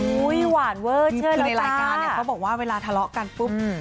อุ๊ยหวานเวิร์ดเชื่อแล้วจ้ะในรายการเขาบอกว่าเวลาทะเลาะกันปุ๊บ